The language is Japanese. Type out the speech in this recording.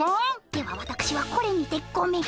ではわたくしはこれにてごめん！